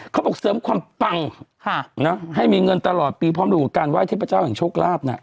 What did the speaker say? เสริมความปังให้มีเงินตลอดปีพร้อมรู้กับการไห้เทพเจ้าแห่งโชคลาภนะ